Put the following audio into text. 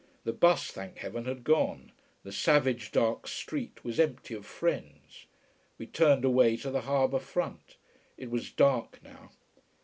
The bus, thank heaven, had gone, the savage dark street was empty of friends. We turned away to the harbour front. It was dark now.